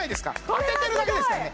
当ててるだけですからね